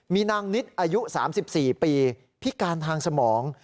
มีนางนิดอายุ๓๔ปีพิการทางสมอง